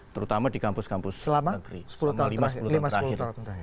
terutama di kampus kampus negeri selama lima sepuluh tahun terakhir